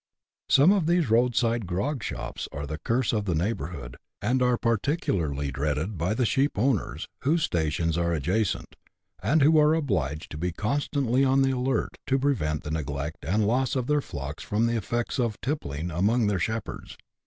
Some of these road side " grog shops " are the curse of the neighbourhood, and are particularly dreaded by the sheep owners whose stations are adjacent, and who are obliged to be constantly on the alert to prevent the neglect and loss of their flocks from the effects of tippling among their shepherds.